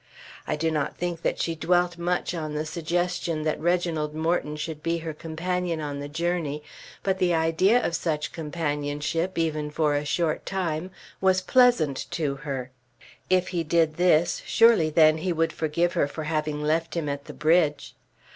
I do not think that she dwelt much on the suggestion that Reginald Morton should be her companion on the journey, but the idea of such companionship, even for a short time, was pleasant to her. If he did this surely then he would forgive her for having left him at the bridge.